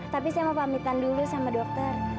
tapi saya mau pamitan dulu sama dokter